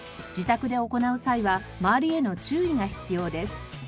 自宅で行う際は周りへの注意が必要です。